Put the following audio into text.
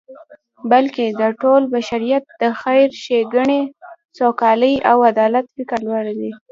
بلکی د ټول بشریت د خیر، ښیګڼی، سوکالی او عدالت فکر ولری